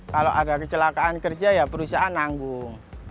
kalau ada kecelakaan kerja ya perusahaan nanggung